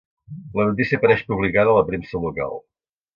La notícia apareix publicada a la premsa local.